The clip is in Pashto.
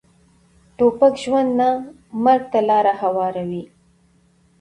توپک ژوند نه، مرګ ته لاره هواروي.